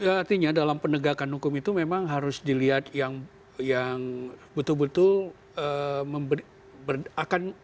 artinya dalam penegakan hukum itu memang harus dilihat yang betul betul akan